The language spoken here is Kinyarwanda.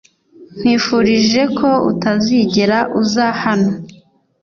Nkwifurije ko utazigera uza hano .